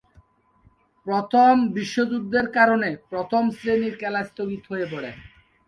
প্রথম বিশ্বযুদ্ধের কারণে প্রথম-শ্রেণীর খেলা স্থগিত হয়ে পড়ে।